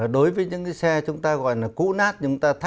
đối với những cái xe chúng ta gọi là cũ nát